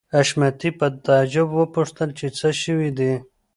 حشمتي په تعجب وپوښتل چې څه شوي دي